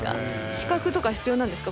資格とか必要なんですか？